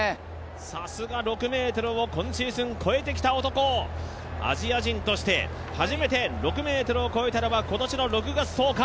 さすが６ｍを今シーズン越えてきた男、アジア人として、初めて６ｍを越えたのは今年の６月１０日。